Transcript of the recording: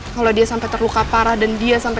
kalau dia sampai terluka parah dan dia sampai